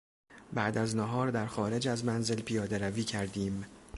بعد از نهار در خارج از منزل پیادهروی کردیم.